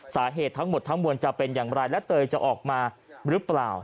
สาเหตุทั้งหมดทั้งมวลจะเป็นอย่างไรและเตยจะออกมาหรือเปล่า